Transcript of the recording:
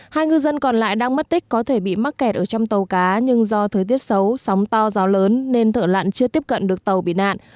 hai ngư dân còn lại đang mất tích có thể bị mắc kẹt ở trong tàu cá nhưng do thời tiết xấu sóng to gió lớn nên thở lặn chưa tiếp cận được tàu bị nạn